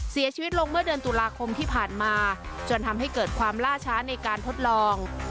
เสียชีวิตลงเมื่อเดือนตุลาคมที่ผ่านมาจนทำให้เกิดความล่าช้าในการทดลอง